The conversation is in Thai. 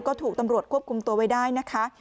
ก็ถูกตำรวจควบคุมตัวไว้ได้นะคะ